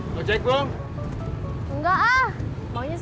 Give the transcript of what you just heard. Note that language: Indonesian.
asal iram selalu unveiling bayangan keku